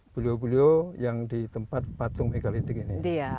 beliau beliau yang di tempat patung megalitik ini